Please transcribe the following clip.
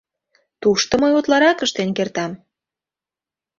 Тушто мый утларак ыштен кертам.